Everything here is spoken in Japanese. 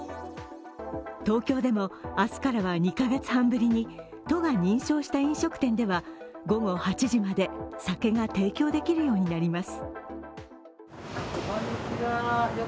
東京でも明日からは２カ月半ぶりに都が認証した飲食店では午後８時まで、酒が提供できるようになります。